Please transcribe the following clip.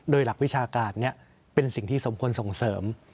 โดยหลักวิชาการนี้เป็นสิ่งที่สมควรส่งเสริม